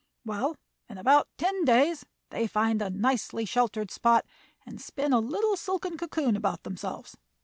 Well, in about ten days they find a nicely sheltered spot and spin a little silken cocoon about themselves.